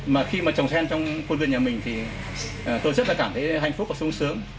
mà khi mà trồng sen trong khu vực nhà mình thì tôi rất là cảm thấy hạnh phúc và sung sướng